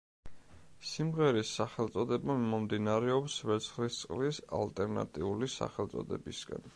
სიმღერის სახელწოდება მომდინარეობს ვერცხლისწყლის ალტერნატიული სახელწოდებისგან.